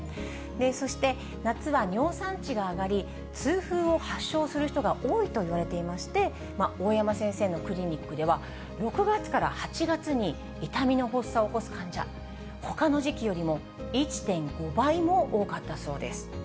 そして、夏は尿酸値が上がり、痛風を発症する人が多いといわれていまして、大山先生のクリニックでは、６月から８月に痛みの発作を起こす患者、ほかの時期よりも１．５倍も多かったそうです。